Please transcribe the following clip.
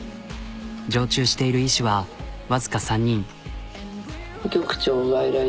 常駐している医師は僅か３人。